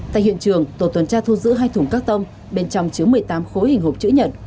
tại hiện trường tổ tuần tra thu giữ hai thùng các tông bên trong chứa một mươi tám khối hình hộp chữ nhật